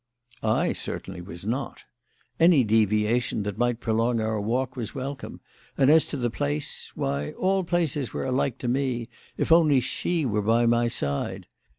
I, certainly, was not. Any deviation that might prolong our walk was welcome, and, as to the place why, all places were alike to me if only she were by my side.